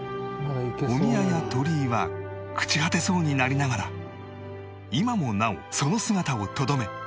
お宮や鳥居は朽ち果てそうになりながら今もなおその姿をとどめ